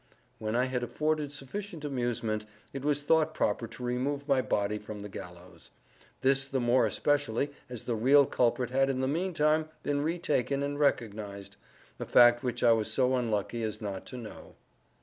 When I had afforded sufficient amusement, it was thought proper to remove my body from the gallows;—this the more especially as the real culprit had in the meantime been retaken and recognized, a fact which I was so unlucky as not to know.